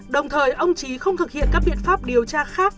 đồng thời ông trí không thực hiện các biện pháp điều tra khác